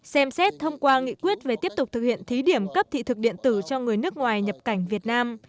xem xét thông qua nghị quyết về tiếp tục thực hiện thí điểm cấp thị thực điện tử cho người nước ngoài nhập cảnh việt nam